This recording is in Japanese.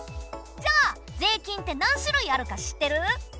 じゃあ税金って何種類あるか知ってる？